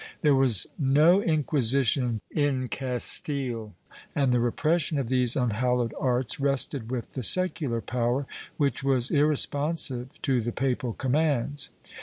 There was no Inquisition in Castile, and the repression of these unhallowed arts rested with the secular power, which was irre sponsive to the papal commands.